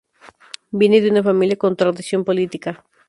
Viene de una familia con tradición política.